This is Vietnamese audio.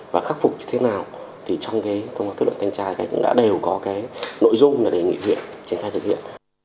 và khắc phục như thế nào thì trong kết luận thanh tra cũng đã đều có nội dung để nghị huyện trình khai thực hiện